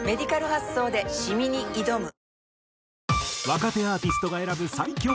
若手アーティストが選ぶ最強